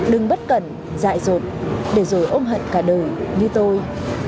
đừng bất cẩn dại rột để rồi ôm hận cả đời như tôi